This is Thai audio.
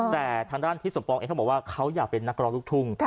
แต่ทางด้านทิศสมปองเองเขาบอกว่าเขาอยากเป็นนักร้องลูกทุ่ง